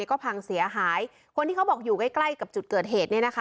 ก็พังเสียหายคนที่เขาบอกอยู่ใกล้ใกล้กับจุดเกิดเหตุเนี่ยนะคะ